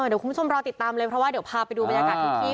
เดี๋ยวคุณผู้ชมรอติดตามเลยเพราะว่าเดี๋ยวพาไปดูบรรยากาศทุกที่